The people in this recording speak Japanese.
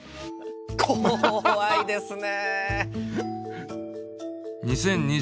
怖いですね。